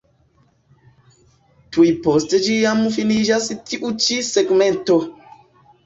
Tuj post ĝi jam finiĝas tiu ĉi segmento.